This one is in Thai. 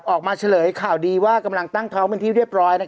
เฉลยข่าวดีว่ากำลังตั้งท้องเป็นที่เรียบร้อย